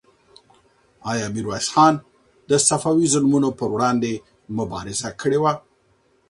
آیا میرویس خان د صفوي ظلمونو پر وړاندې مبارزه کړې وه؟